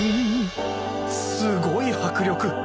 すごい迫力！